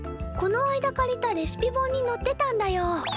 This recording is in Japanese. この間借りたレシピ本にのってたんだよ。